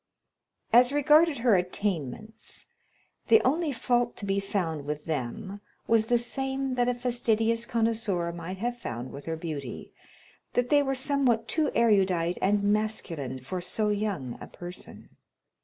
As regarded her attainments, the only fault to be found with them was the same that a fastidious connoisseur might have found with her beauty, that they were somewhat too erudite and masculine for so young a person.